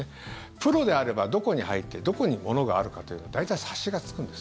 プロであれば、どこに入ってどこに物があるかというのは大体、察しがつくんです。